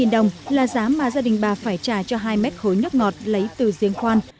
một trăm bảy mươi đồng là giá mà gia đình bà phải trả cho hai mét khối nước ngọt lấy từ giếng khoan